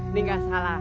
ini tidak salah